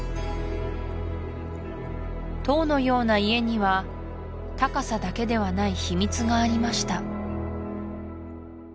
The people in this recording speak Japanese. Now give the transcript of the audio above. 塔のような家には高さだけではない秘密がありました